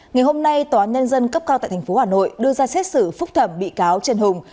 ngày hôm nay tòa án nhân dân cấp cao tại thành phố hà nội đưa ra xét xử phúc thẩm bị cáo trần hùng